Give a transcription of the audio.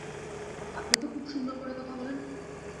আপনি তো খুব সুন্দর করে কথা বলেন।